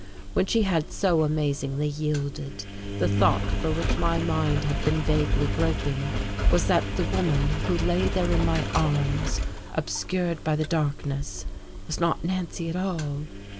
When she had so amazingly yielded, the thought for which my mind had been vaguely groping was that the woman who lay there in my arms, obscured by the darkness, was not Nancy at all!